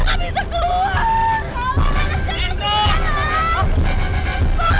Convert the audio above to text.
jangan putri bahaya benar